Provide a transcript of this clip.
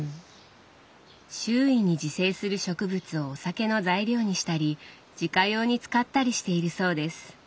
周囲に自生する植物をお酒の材料にしたり自家用に使ったりしているそうです。